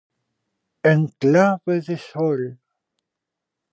En clave de sol.